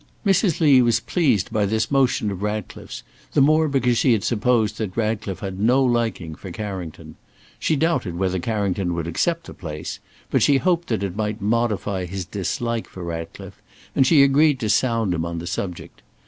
Mrs. Lee was pleased by this motion of Ratcliffe's, the more because she had supposed that Ratcliffe had no liking for Carrington. She doubted whether Carrington would accept the place, but she hoped that it might modify his dislike for Ratcliffe, and she agreed to sound him on the subject.